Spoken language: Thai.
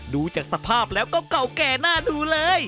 ดูจากสภาพแล้วก็เก่าแก่น่าดูเลย